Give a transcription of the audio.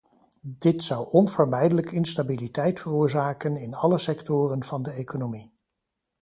Dit zou onvermijdelijk instabiliteit veroorzaken in alle sectoren van de economie.